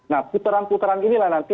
nah putaran putaran inilah nanti